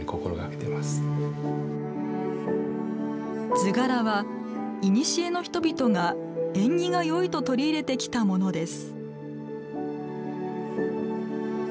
図柄はいにしえの人々が縁起が良いと取り入れてきたものです。